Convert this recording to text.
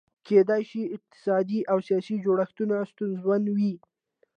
کېدای شي اقتصادي او سیاسي جوړښتونه ستونزمن وي.